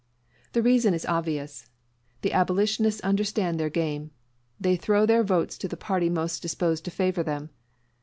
The reason is obvious. The abolitionists understand their game. They throw their votes to the party most disposed to favor them.